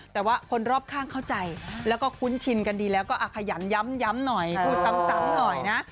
แต่ว่าคนรอบข้างเข้าใจแล้วก็คุ้นชินกันดีแล้วก็ขยันย้ำหน่อยพูดซ้ำหน่อยนะ